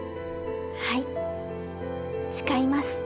はい誓います。